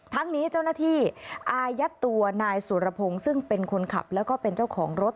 ทั้งนี้เจ้าหน้าที่อายัดตัวนายสุรพงศ์ซึ่งเป็นคนขับแล้วก็เป็นเจ้าของรถ